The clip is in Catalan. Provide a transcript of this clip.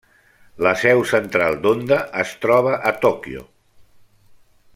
La seu central d'Honda es troba a Tòquio.